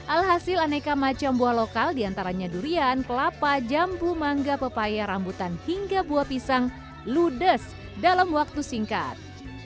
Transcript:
alhasil aneka macam buah lokal diantaranya durian kelapa jambu mangga pepaya rambutan hingga buah pisang ludes dalam waktu singkat